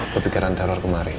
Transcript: kepikiran teror kemarin